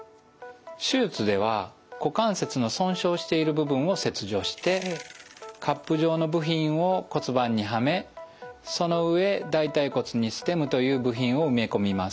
手術では股関節の損傷している部分を切除してカップ状の部品を骨盤にはめその上大腿骨にステムという部品を埋め込みます。